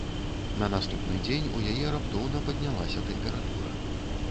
На наступны дзень у яе раптоўна паднялася тэмпература.